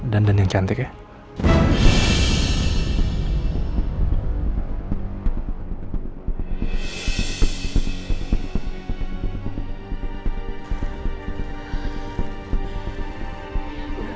dan dan yang cantik ya